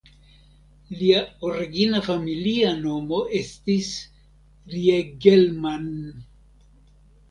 Lia origina familia nomo estis "Riegelmann".